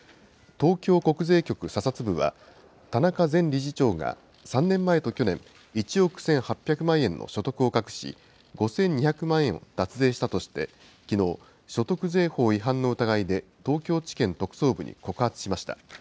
東京国税局査察部は、田中前理事長が、３年前と去年、１億１８００万円の所得を隠し、５２００万円を脱税したとして、きのう、所得税法違反の疑いで東京地検特捜部に告発しました。